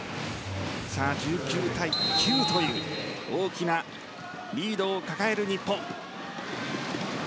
１９対９という大きなリードを抱える日本。